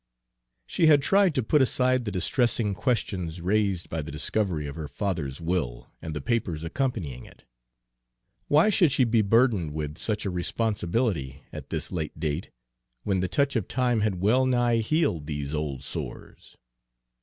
She had tried to put aside the distressing questions raised by the discovery of her father's will and the papers accompanying it. Why should she be burdened with such a responsibility, at this late day, when the touch of time had well nigh healed these old sores?